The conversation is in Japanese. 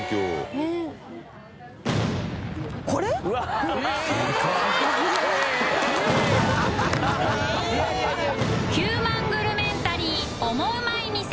礇劵紂璽泪グルメンタリーオモウマい店